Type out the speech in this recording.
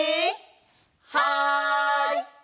はい！